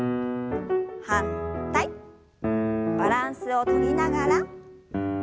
バランスをとりながら。